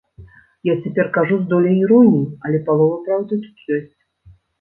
Я цяпер кажу з доляй іроніі, але палова праўды тут ёсць.